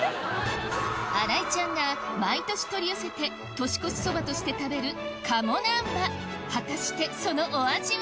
新井ちゃんが毎年取り寄せて年越しそばとして食べる鴨なんば果たしてそのお味は？